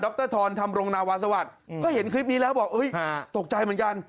รทรธรรมรงนาวาสวัสดิ์ก็เห็นคลิปนี้แล้วบอกตกใจเหมือนกัน